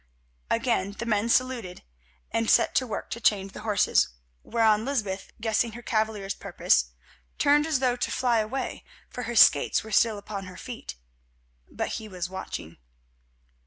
Again the men saluted and set to work to change the horses, whereon Lysbeth, guessing her cavalier's purpose, turned as though to fly away, for her skates were still upon her feet. But he was watching.